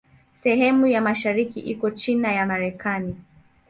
Sehemu ya mashariki iko chini ya Marekani.